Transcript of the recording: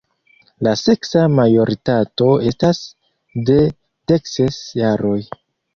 La seksa majoritato estas de dekses jaroj.